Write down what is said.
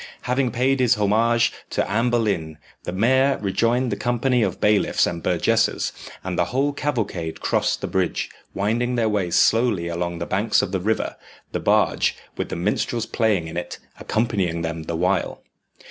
Having paid his homage to Anne Boleyn, the mayor rejoined the company of bailiffs and burgesses, and the whole cavalcade crossed the bridge, winding their way slowly along the banks of the river, the barge, with the minstrels playing in it, accompanying them the while.